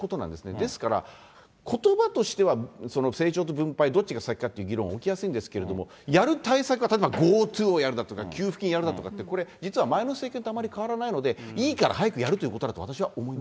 ですから、ことばとしては成長と分配、どっちが先かという議論が起きやすいんですけれども、やる対策は、ＧｏＴｏをやるだとか、給付金やるだとか、これ、実は前の政権とあまり変わらないので、いいから早くやれということだと、私は思います。